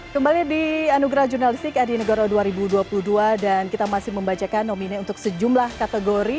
kembali di anugerah jurnalistik adi negoro dua ribu dua puluh dua dan kita masih membacakan nomine untuk sejumlah kategori